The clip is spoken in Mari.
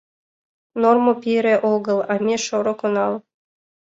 — Нормо пире огыл, а ме шорык онал.